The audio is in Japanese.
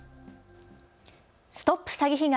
ＳＴＯＰ詐欺被害！